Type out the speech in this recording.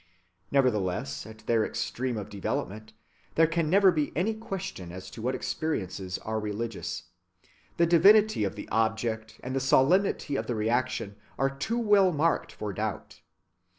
Nevertheless, at their extreme of development, there can never be any question as to what experiences are religious. The divinity of the object and the solemnity of the reaction are too well marked for doubt.